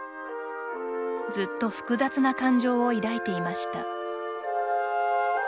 ずっと複雑な感情を抱いていました。